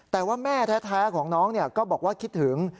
แต่ว่าแม่แท้ของน้องก็บอกว่าคิดถึง